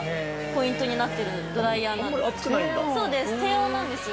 ポイントになってるドライヤーなんです。